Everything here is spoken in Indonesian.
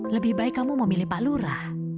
lebih baik kamu memilih pak lurah